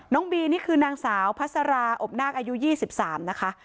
บีนี่คือนางสาวพัสราอบนาคอายุ๒๓นะคะ